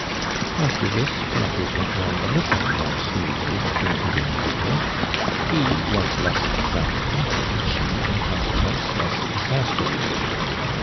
After this, matters went on a little more smoothly between the young pcojtle. He was less exacting, she, in conse(iuence, leas exasperating.